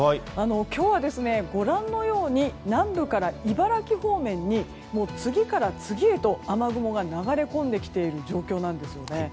今日はご覧のように南部から茨城方面に次から次へと雨雲が流れ込んできている状況なんですね。